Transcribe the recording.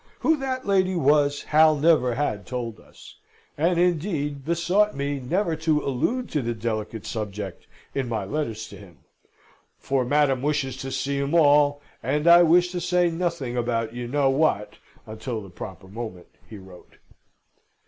Who "that lady" was Hal never had told us; and, indeed, besought me never to allude to the delicate subject in my letters to him; "for Madam wishes to see 'em all, and I wish to say nothing about you know what until the proper moment," he wrote.